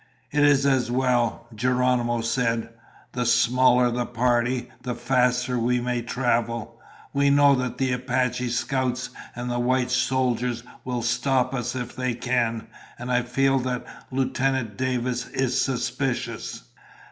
"It is as well," Geronimo said. "The smaller the party, the faster we may travel. We know that the Apache scouts and the white soldiers will stop us if they can. And I feel that Lieutenant Davis is suspicious."